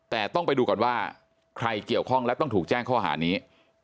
แต่ต้องไปดูก่อนว่าใครเกี่ยวข้องและต้องถูกแจ้งข้อหานี้